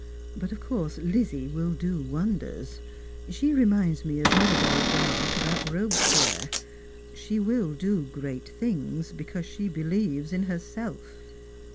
But of course Lizzie will do wonders. She reminds me of Mirabeau's remark about Kobespierre ; she will do great things, because she believes in herself."